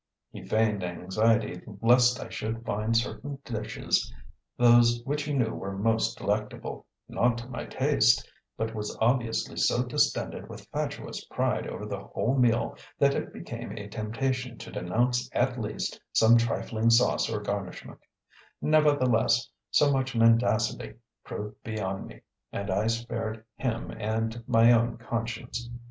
He feigned anxiety lest I should find certain dishes (those which he knew were most delectable) not to my taste, but was obviously so distended with fatuous pride over the whole meal that it became a temptation to denounce at least some trifling sauce or garnishment; nevertheless, so much mendacity proved beyond me and I spared him and my own conscience.